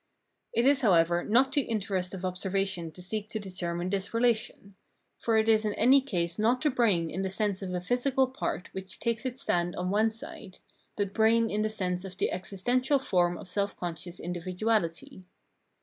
It is, however, not the interest of observation to seek to determine this relation. For it is in any case not the brain in the sense of a physical part which takes its stand on one side, but brain in the sense of the existential form of self conscious individuahty.